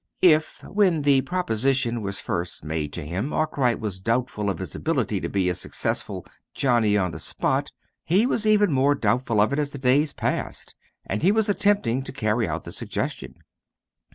If, when the proposition was first made to him, Arkwright was doubtful of his ability to be a successful "Johnny on the spot," he was even more doubtful of it as the days passed, and he was attempting to carry out the suggestion.